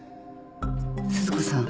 鈴子さん。